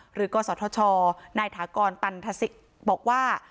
กศธชนายถากรตันทศิษย์บอกว่า